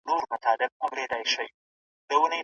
پټه غمیزه هر ځای شته.